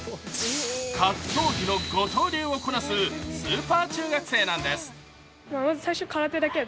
格闘技の５刀流をこなす、スーパー中学生なんです。